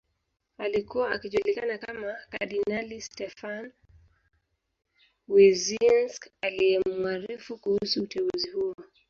Alikuwa akijulikana kama kardinali Stefan Wyszynsk aliyemuarifu kuhusu uteuzi huo